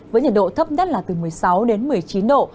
với nhiệt độ thấp nhất là từ một mươi sáu đến một mươi chín độ